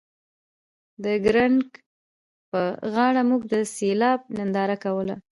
د ګړنګ په غاړه موږ د سیلاب ننداره کوله